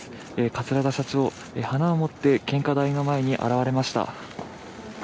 桂田社長へ花を持って献花台の前に現れました。